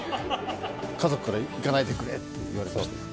家族から行かないでくれと言われまして。